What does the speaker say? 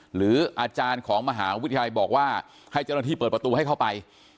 หรืออาจารย์ของมหาวิทยาลัยบอกว่าให้เจ้าหน้าที่เปิดประตูให้เข้าไป